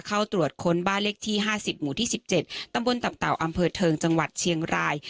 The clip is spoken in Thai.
เข้าตรวจค้นบ้านเลขที่ห้าสิบหมู่ที่สิบเจ็ดตำบนต่ำต่าวอำเภอเทิงจังหวัดเชียงราย